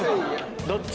どっち？